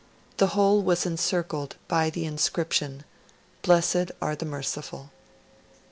The whole was encircled by the inscription 'Blessed are the Merciful'.